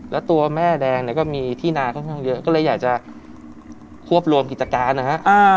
แล้วตัวแม่แดงเนี่ยก็มีที่นาค่อนข้างเยอะก็เลยอยากจะควบรวมกิจการนะฮะ